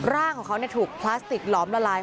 ร่างของเขาถูกพลาสติกหลอมละลาย